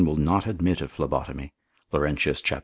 will not admit of phlebotomy; Laurentius, cap.